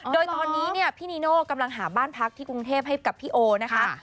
โดยตอนนี้เนี่ยพี่นีโน่กำลังหาบ้านพักที่กรุงเทพให้กับพี่โอนะคะ